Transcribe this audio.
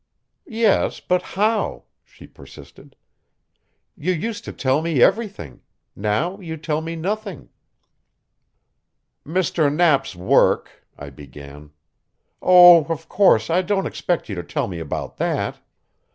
"Yes, but how?" she persisted. "You used to tell me everything. Now you tell me nothing." "Mr. Knapp's work " I began. "Oh, of course I don't expect you to tell me about that.